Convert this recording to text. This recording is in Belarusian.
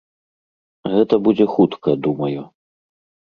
Гэта будзе хутка, думаю.